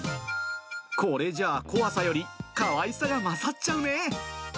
これじゃ怖さより、かわいさが勝っちゃうね。